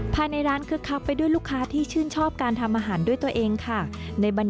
ภายในร้านคึกคักไปด้วยลูกค้าที่ชื่นชอบการทำอาหารด้วยตัวเองค่ะ